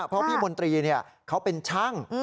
เพราะพี่มนตรีเขาเป็นช่าง